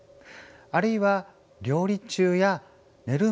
あるいは料理中や寝る